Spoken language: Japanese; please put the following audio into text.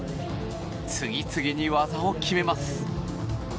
次々に技を決めます。